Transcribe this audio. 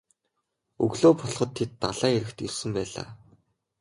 Өглөө болоход тэд далайн эрэгт ирсэн байлаа.